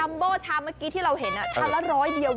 จำโบกนี่ชามเมื่อกี้ที่เราเห็นชามละ๑๐๐เดียว